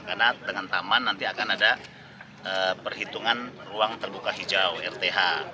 karena dengan taman nanti akan ada perhitungan ruang terbuka hijau rth